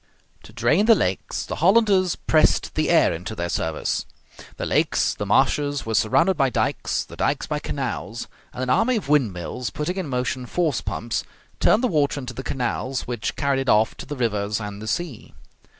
To drain the lakes the Hollanders pressed the air into their service. The lakes, the marshes, were surrounded by dikes, the dikes by canals; and an army of windmills, putting in motion force pumps, turned the water into the canals, which carried it off to the rivers and the sea.